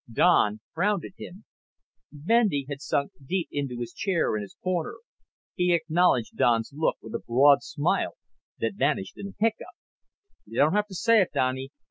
Don frowned at him. Bendy had sunk deep into his chair in his corner. He acknowledged Don's look with a broad smile that vanished in a hiccup. "Y' don't have to say it, Donny.